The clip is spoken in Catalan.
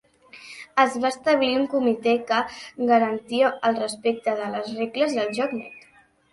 Es va establir un comitè que garantia el respecte de les regles i el joc net.